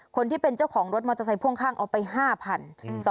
คนที่เป็นเจ้าของรถมอเตอร์ไซค์พ่วงข้างเอาไป๕๐๐บาท